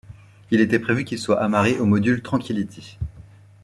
Il était prévu qu'il soit amarré au module Tranquility.